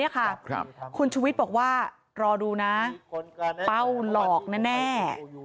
คุณชุวิตบอกว่ารอดูนะเป้าหลอกแน่